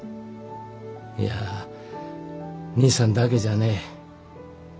いや兄さんだけじゃねえ。